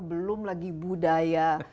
belum lagi budaya